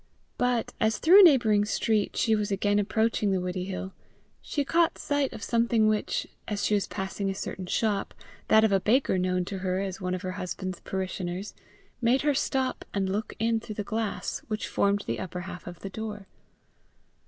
But as, through a neighbouring street, she was again approaching the Widdiehill, she caught sight of something which, as she was passing a certain shop, that of a baker known to her as one of her husband's parishioners, made her stop and look in through the glass which formed the upper half of the door.